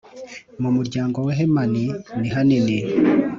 Mu muryango wa Hemani nihanini